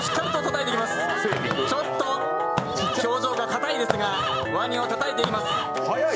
ちょっと表情がかたいですがワニをたたいています。